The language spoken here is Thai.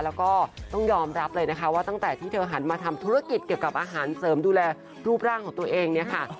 แล้วก็ต้องยอมรับเลยนะคะว่าตั้งแต่ที่เธอหันมาทำธุรกิจเกี่ยวกับอาหารเสริมดูแลรูปร่างของตัวเองเนี่ยค่ะ